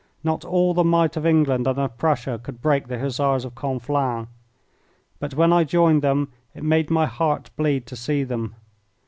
Not all the might of England and of Prussia could break the Hussars of Conflans. But when I joined them it made my heart bleed to see them.